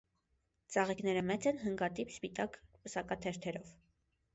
Ծաղիկները մեծ են, հնգատիպ սպիտակ պսակաթերթերով։